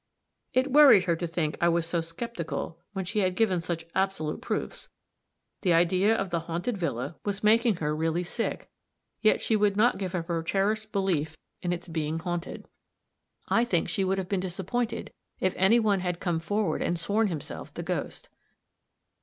It worried her to think I was so skeptical when she had given such absolute proofs; the idea of the haunted villa was making her really sick, yet she would not give up her cherished belief in its being haunted. I think she would have been disappointed if any one had come forward and sworn himself the ghost.